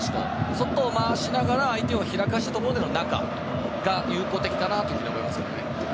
外で回しながら相手を開かせたところで、中が有効的だと思います。